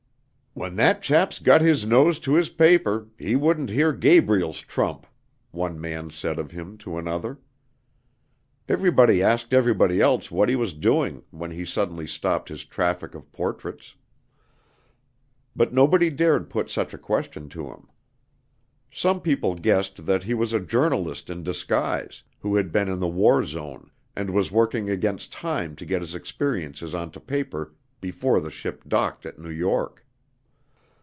"When that chap's got his nose to his paper, he wouldn't hear Gabriel's trump," one man said of him to another. Everybody asked everybody else what he was doing when he suddenly stopped his traffic of portraits; but nobody dared put such a question to him. Some people guessed that he was a journalist in disguise, who had been in the war zone, and was working against time to get his experiences onto paper before the ship docked at New York.